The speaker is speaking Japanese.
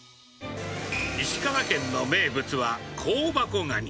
石川県の名物は、香箱ガニ。